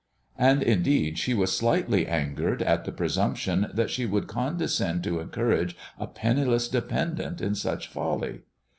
And, indeed, she was slightly angered at the presumption that she would condescend to encourage a penniless dependent in such folly.